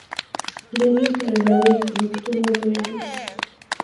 Lenin para el lado nocturno de Venus.